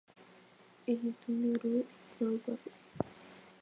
Ehetũ nde rogayguápe.